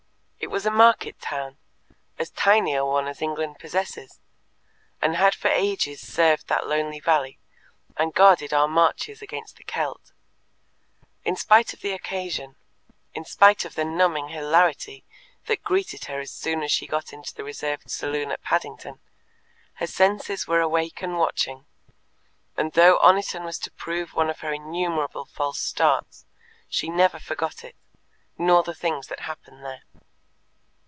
It was a market town as tiny a one as England possesses and had for ages served that lonely valley, and guarded our marches against the Kelt. In spite of the occasion, in spite of the numbing hilarity that greeted her as soon as she got into the reserved saloon at Paddington, her senses were awake and watching, and though Oniton was to prove one of her innumerable false starts, she never forgot it, nor the things that happened there.